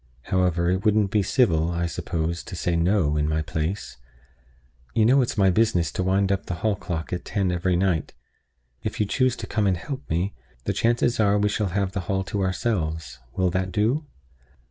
However, it wouldn't be civil, I suppose, to say 'No' in my place. You know it's my business to wind up the hall clock at ten every night. If you choose to come and help me, the chances are that we shall have the hall to ourselves. Will that do?"